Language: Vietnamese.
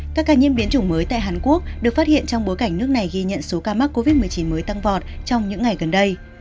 các ca nhiễm biến chủng mới tại hàn quốc được phát hiện trong bối cảnh nước này ghi nhận số ca mắc covid một mươi chín mới tăng vọt trong những ngày gần đây